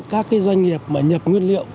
các doanh nghiệp nhập nguyên liệu